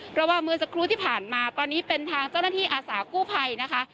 เพราะว่าเมื่อสักครู่ที่ผ่านมาตอนนี้เป็นทางเจ้าหน้าที่อาสากู้ภัยนะคะ